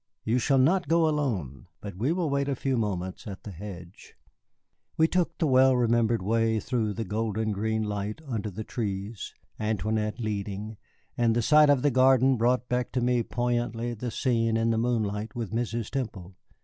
"You shall not go alone, but we will wait a few moments at the hedge." We took the well remembered way through the golden green light under the trees, Antoinette leading, and the sight of the garden brought back to me poignantly the scene in the moonlight with Mrs. Temple.